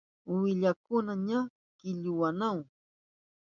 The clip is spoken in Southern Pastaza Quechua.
Uwillakuna ña killuyanahun.